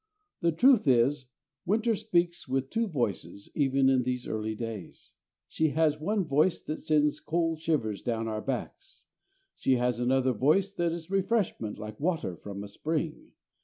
The truth is, winter speaks with two voices even in these early days. She has one voice that sends cold shivers down our backs. She has another voice that is refreshment like water from a spring.